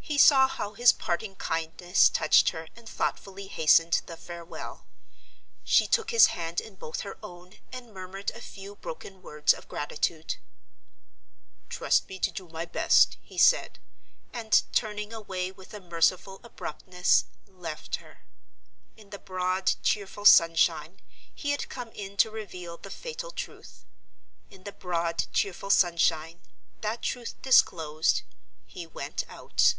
He saw how his parting kindness touched her and thoughtfully hastened the farewell. She took his hand in both her own and murmured a few broken words of gratitude. "Trust me to do my best," he said—and, turning away with a merciful abruptness, left her. In the broad, cheerful sunshine he had come in to reveal the fatal truth. In the broad, cheerful sunshine—that truth disclosed—he went out.